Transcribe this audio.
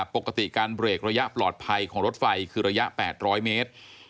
ปกติการเบรกระยะปลอดภัยของรถไฟคือระยะ๘๐๐เมตร